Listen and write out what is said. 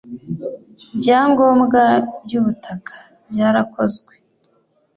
ibyangombwa by’ubutaka byarakozwe